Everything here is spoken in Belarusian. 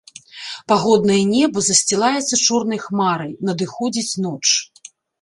Пагоднае неба засцілаецца чорнай хмарай, надыходзіць ноч.